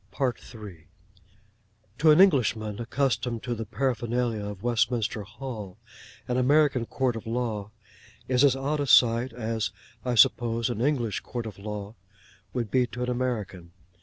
To an Englishman, accustomed to the paraphernalia of Westminster Hall, an American Court of Law is as odd a sight as, I suppose, an English Court of Law would be to an American.